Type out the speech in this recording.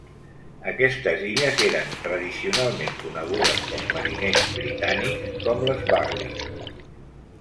Aquestes illes eren tradicionalment conegudes pels mariners britànics com les "Burlings".